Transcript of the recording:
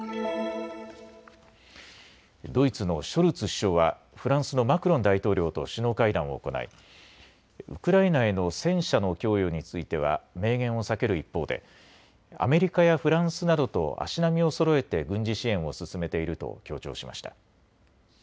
ドイツのショルツ首相はフランスのマクロン大統領と首脳会談を行いウクライナへの戦車の供与については明言を避ける一方でアメリカやフランスなどと足並みをそろえて軍事支援を進めていると強調しました。